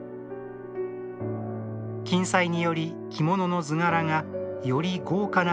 金彩により着物の図柄がより豪華な印象に仕上がります。